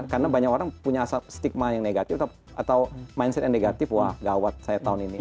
karena banyak orang punya stigma yang negatif atau mindset yang negatif wah gawat saya tahun ini